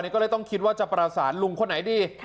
ก็เลยต้องคิดว่าจะประสานลุงคนไหนดี